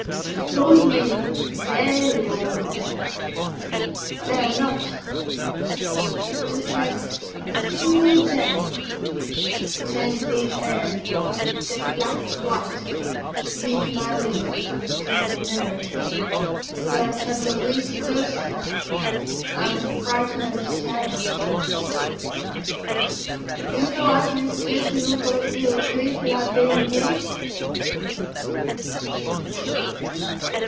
You suppose me a very old man but I am not. It took less than a single day to change these hairs from a jetty black to white, to weaken my limbs, and to unstring my nerves, so that I tremble at the least exertion, and am frightened at a shadow. Do you know I can scarcely look over this little cliff without getting giddy?"